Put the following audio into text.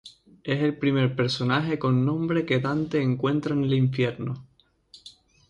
Es el primer personaje con nombre que Dante encuentra en el infierno.